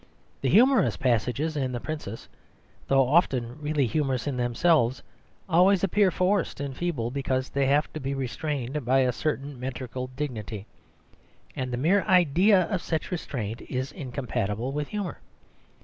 The humorous passages in The Princess, though often really humorous in themselves, always appear forced and feeble because they have to be restrained by a certain metrical dignity, and the mere idea of such restraint is incompatible with humour.